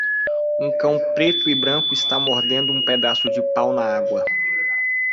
Um cão preto e branco está mordendo um pedaço de pau na água